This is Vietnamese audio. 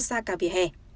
xa cả vỉa hè